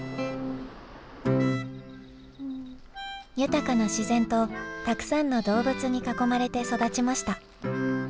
豊かな自然とたくさんの動物に囲まれて育ちました。